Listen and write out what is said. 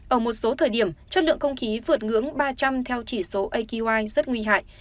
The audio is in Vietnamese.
ở một số thời điểm chất lượng không khí vượt ngưỡng ba trăm linh theo chỉ số aqi rất nguy hại